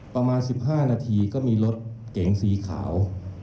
ประมาณ๑๕นาทีก็มีรถเก๋งสีขาว